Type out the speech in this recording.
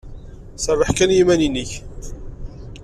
Serreḥ kan i yiman-nnek.